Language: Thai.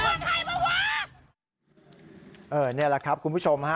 นี่แหละครับคุณผู้ชมฮะ